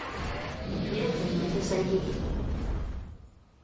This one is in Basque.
Bihotzez maite zaitut.